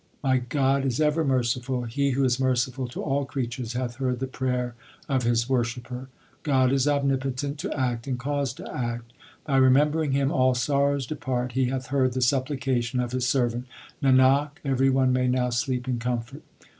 My God is ever merciful. He who is merciful to all creatures hath heard the prayer of His worshipper. 1 Bilawal. 44 THE SIKH RELIGION God is omnipotent to act and cause to act. By remembering Him all sorrows depart. He hath heard the supplication of His servant ; Nanak, every one may now sleep in comfort.